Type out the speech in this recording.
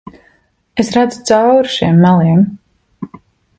Es redzu cauri šiem meliem.